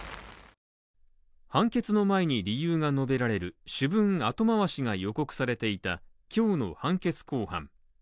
判決の前に理由が述べられる主文後回しが予告されていた今日の判決公判。